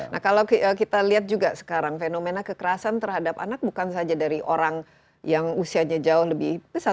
nah kalau kita lihat juga sekarang fenomena kekerasan terhadap anak bukan saja dari orang yang usianya jauh lebih besar